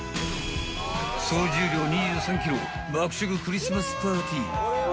総重量２３ｋｇ爆食クリスマスパーティー。